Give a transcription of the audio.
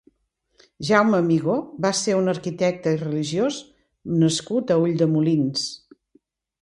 Jaume Amigó va ser un arquitecte i religiós nascut a Ulldemolins.